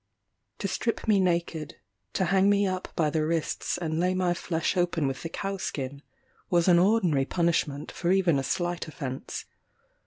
To strip me naked to hang me up by the wrists and lay my flesh open with the cow skin, was an ordinary punishment for even a slight offence.